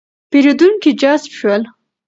پېرېدونکي جذب شول.